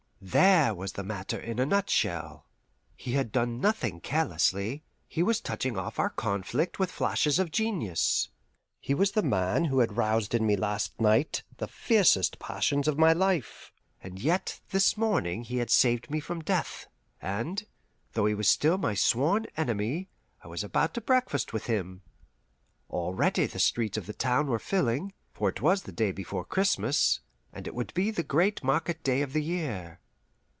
There was the matter in a nutshell. He had done nothing carelessly; he was touching off our conflict with flashes of genius. He was the man who had roused in me last night the fiercest passions of my life, and yet this morning he had saved me from death, and, though he was still my sworn enemy, I was about to breakfast with him. Already the streets of the town were filling; for it was the day before Christmas, and it would be the great market day of the year.